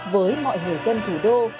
với mọi người dân thủ đô